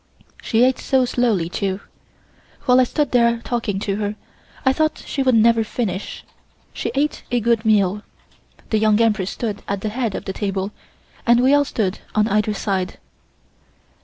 She ate so slowly, too. While I stood there talking to her I thought she would never finish. She ate a good meal. The Young Empress stood at the head of the table, and we all stood on either side.